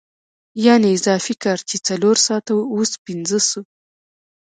یانې اضافي کار چې څلور ساعته وو اوس پنځه شو